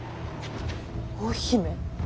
大姫。